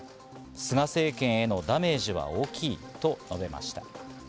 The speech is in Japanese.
菅政権へのダメージは大きいと述べました。